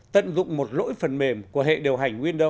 tận dụng một lỗi phần mềm của hệ điều hành window